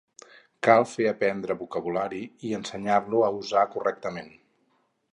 Cal fer aprendre vocabulari i ensenyar-lo a usar correctament.